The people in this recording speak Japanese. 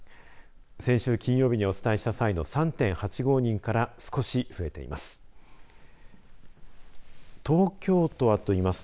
先週金曜日にお伝えした際の３．８５人から少し増えています。